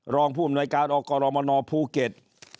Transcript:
รองผู้อำนวยการอกรมนภูเก็ต